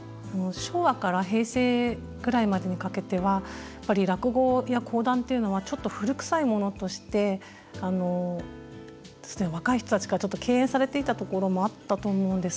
昭和から平成ぐらいまでにかけてはやっぱり落語や講談っていうのはちょっと古臭いものとして若い人たちからちょっと敬遠されていたところもあったと思うんです。